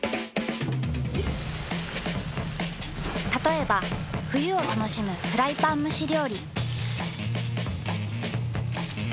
たとえば冬を楽しむフライパン蒸し料理。